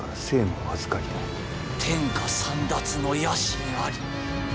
天下簒奪の野心あり。